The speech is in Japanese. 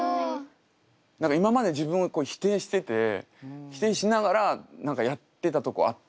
何か今まで自分をこう否定してて否定しながら何かやってたとこあって。